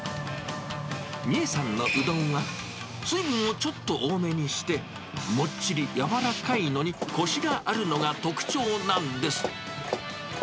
美恵さんのうどんは、水分をちょっと多めにして、もっちり柔らかいのにこしがあるのが特徴なんです。